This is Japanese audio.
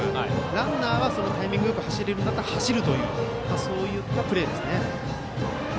ランナーはタイミングよく走れるんだったら走るというそういったプレーですね。